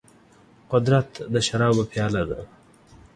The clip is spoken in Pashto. قدرت د شرابو پياله ده.